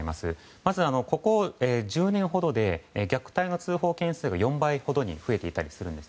まず、ここ１０年ほどで虐待の通報件数が４倍ほどに増えていたりするんです。